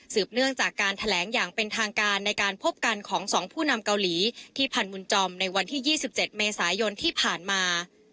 เนื่องจากการแถลงอย่างเป็นทางการในการพบกันของ๒ผู้นำเกาหลีที่พันบุญจอมในวันที่๒๗เมษายนที่ผ่านมา